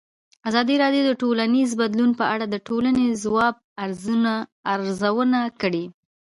ازادي راډیو د ټولنیز بدلون په اړه د ټولنې د ځواب ارزونه کړې.